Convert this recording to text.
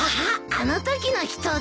あのときの人だ。